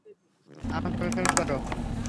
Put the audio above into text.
আমাকে অনুসরণ কর।